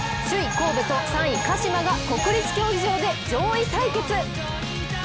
神戸と３位鹿島が国立競技場で上位対決。